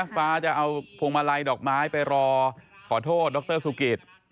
ฟ้าจะเอาพวงมาลัยดอกไม้ไปรอขอโทษดรสุกิต